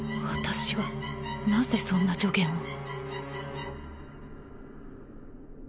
私はなぜそんな助言を